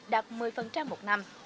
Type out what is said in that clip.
đạt một mươi một năm